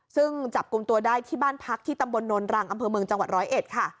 ซึ่งจับกลุ่มตัวได้ที่บ้านพักที่ตำบลโนนรังอำเภอเมืองจังหวัดร้อยเอ็ดค่ะ